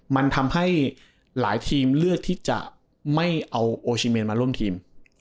มันทำให้หลายทีมเลือกที่จะไม่เอาโอชิเมนมาร่วมทีม